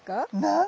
何？